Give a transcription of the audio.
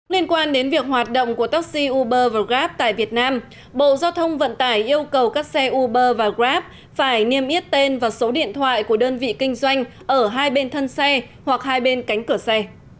liên quan đến việc hoạt động của taxi uber grab tại việt nam bộ giao thông vận tải yêu cầu các xe uber và grab phải niêm yết tên và số điện thoại của đơn vị kinh doanh ở hai bên thân xe hoặc hai bên cánh cửa xe